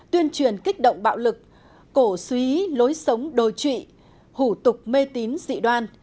tuyên truyền kích động bạo lực cổ suý lối sống đồi trụy hủ tục mê tín dị đoan